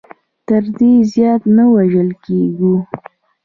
تر دې زیات نه وژل کېږو.